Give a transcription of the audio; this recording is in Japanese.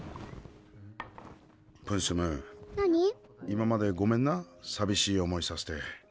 今までごめんなさびしい思いさせて。